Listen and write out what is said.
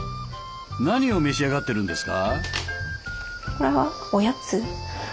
何を召し上がってるんですか？